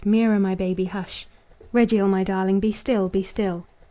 Mira, my baby, hush! Regil, my darling child, be still! be still!"